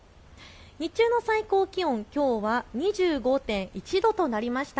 日中の最高気温きょうは２５．１度となりました。